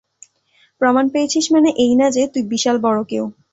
প্রমাণ পেয়েছিস মানে এই না যে তুই বিশাল বড় কেউ!